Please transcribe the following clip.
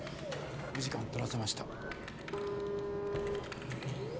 お時間とらせました。